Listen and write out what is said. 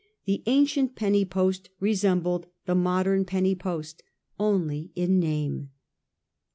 The ancient penny post resembled the modem penny post only in name.